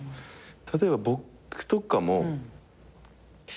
例えば僕とかも。